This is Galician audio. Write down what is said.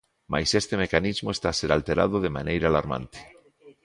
Mais este mecanismo está a ser alterado de maneira alarmante.